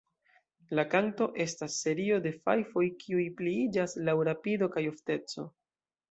La kanto estas serio de fajfoj kiuj pliiĝas laŭ rapido kaj ofteco.